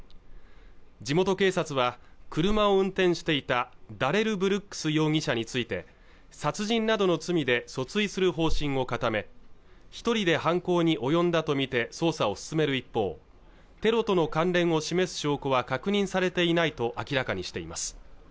地元警察は車を運転していたダレル・ブルックス容疑者について殺人などの罪で訴追する方針を固め一人で犯行に及んだと見て捜査を進める一方テロとの関連を示す証拠は確認されていないと明らかにしています